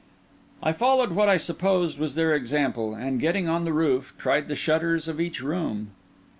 I followed what I supposed was their example; and, getting on the roof, tried the shutters of each room.